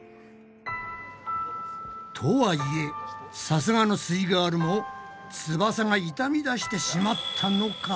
とはいえさすがのすイガールも翼が痛みだしてしまったのか？